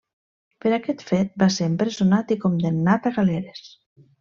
Per aquest fet va ser empresonat i condemnat a galeres.